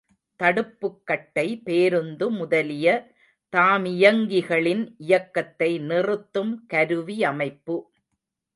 தடுப்புக்கட்டை பேருந்து முதலிய தாமியங்கிகளின் இயக்கத்தை நிறுத்தும் கருவியமைப்பு.